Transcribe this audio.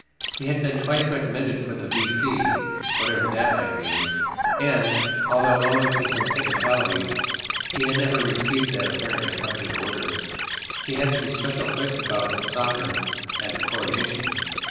He had been twice recommended for the V.C., whatever that might mean, and, although owing to some technicalities he had never received that apparently coveted order, he had some special place about his sovereign at the coronation.